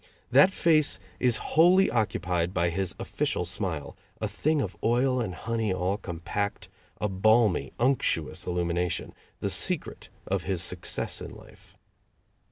That face is wholly occupied by his official smile, a thing of oil and honey all compact, a balmy, unctuous illumination the secret of his success in life.